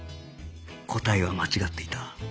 答えは間違っていた